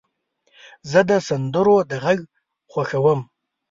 زه د سندرو د غږ خوښوم.